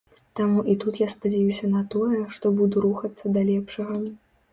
Таму і тут я спадзяюся на тое, што буду рухацца да лепшага.